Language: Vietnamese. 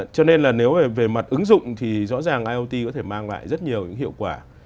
cho nên là nếu về mặt ứng dụng thì rõ ràng iot có thể mang lại rất nhiều những hiệu quả